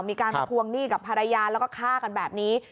มีการมาทวงหนี้กับภรรยาแล้วก็ฆ่ากันแบบนี้